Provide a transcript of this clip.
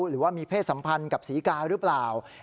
หรือว่ามีเพศสัมพันธ์กับศรีกาหรือเปล่า